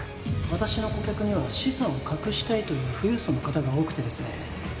私の顧客には資産を隠したいという富裕層の方が多くてですね